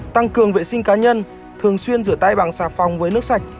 tăng cường vệ sinh cá nhân thường xuyên rửa tay bằng xà phòng với nước sạch